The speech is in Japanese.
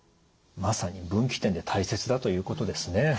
まさに分岐点で大切だということですね。